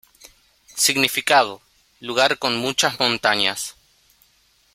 Significado: Lugar con muchas montañas.